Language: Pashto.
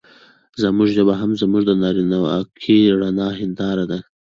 زموږ ژبه هم زموږ د نارينواکۍ رڼه هېنداره ده.